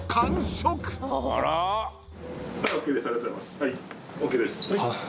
はいＯＫです。